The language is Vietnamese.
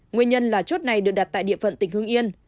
nguyên nhân là chốt này được đặt tại địa phận tỉnh hương yên